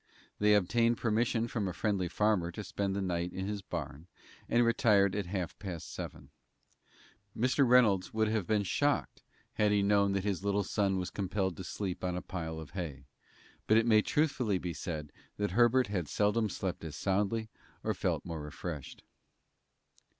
They obtained permission from a friendly farmer to spend the night in his barn, and retired at half past seven. Mr. Reynolds would have been shocked had he known that his little son was compelled to sleep on a pile of hay, but it may truthfully be said that Herbert had seldom slept as soundly or felt more refreshed.